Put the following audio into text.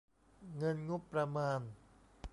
เงินงบประมาณ